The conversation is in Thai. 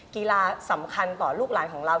กีฬาสำคัญต่อลูกหลานของเรา